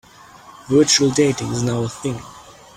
Virtual dating is now a thing.